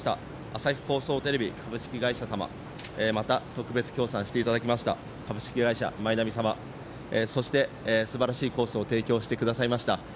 朝日放送テレビ株式会社様、また、特別協賛していただきました株式会社マイナビ様、そして、すばらしいコースを提供してくださいました